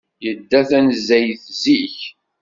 Yedda tanezzayt zik.